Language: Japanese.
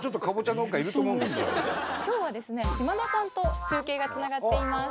今日はですね島田さんと中継がつながっています。